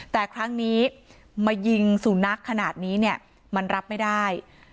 แต่ครั้งนี้มายิงสุนัขขนาดนี้เนี่ยมันรับไม่ได้